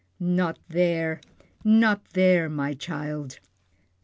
Not there, not there, my child!